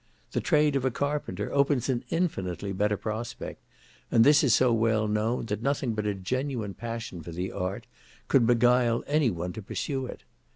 The trade of a carpenter opens an infinitely better prospect; and this is so well known, that nothing but a genuine passion for the art could beguile any one to pursue it.